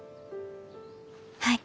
はい。